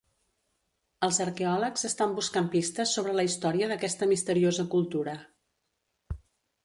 Els arqueòlegs estan buscant pistes sobre la història d'aquesta misteriosa cultura.